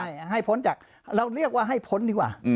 ใช่ให้พ้นจากเราเรียกว่าให้พ้นดีกว่า